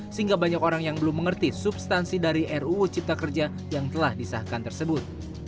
sehingga banyak orang yang belum mengerti substansi dari ruu cipta kerja yang telah disahkan tersebut